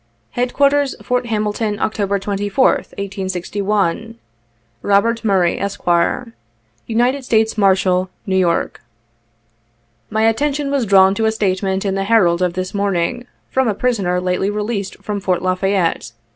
iJ " Headquarters, Fort Hamilton, October 2£th, 1861. "ROBERT MURRAY, Esq., " United States Marshal, New York. "My attention was drawn to a statement in the Herald of this morning, from a prisoner lately released from Fort La Fayette.